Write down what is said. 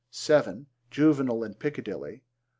(7) Juvenal in Piccadilly.